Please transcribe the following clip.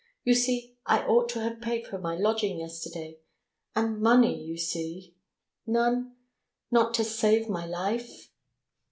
You see, I ought to have paid for my lodging yesterday, and money, you see! ... None! Not to save my life!"